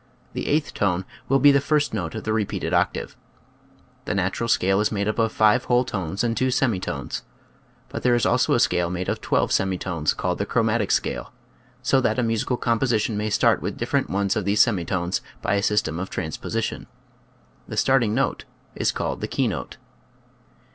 The eighth tone will be the first note of the re peated octave. The natural scale is made up of five whole tones and two semitones, but there is also a scale made of twelve semitones, called the chromatic scale; so that a musical composition may start with different ones of these semitones by a system of transposition. The starting note is called the keynote.